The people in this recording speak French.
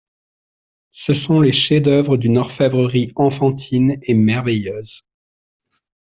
Ce sont les chefs-d'oeuvre d'une orfèvrerie enfantine et merveilleuse.